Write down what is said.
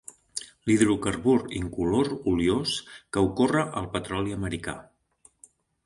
L'hidrocarbur incolor oliós que ocorre al petroli americà.